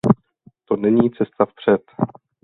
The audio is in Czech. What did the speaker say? To není cesta vpřed.